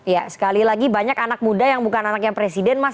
ya sekali lagi banyak anak muda yang bukan anaknya presiden mas